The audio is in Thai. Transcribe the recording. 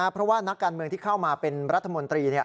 เพราะว่านักการเมืองที่เข้ามาเป็นรัฐมนตรี